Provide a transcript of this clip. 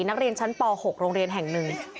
นักเรียนชั้นป๖โรงเรียนแห่งหนึ่ง